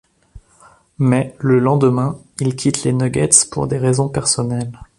Mais, le lendemain, il quitte les Nuggets pour des raisons personnelles.